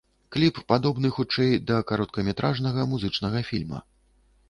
Кліп падобны хутчэй да кароткаметражнага музычнага фільма.